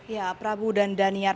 ya prabu dan daniar